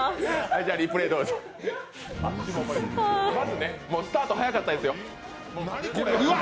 まずね、スタート、早かったですよ。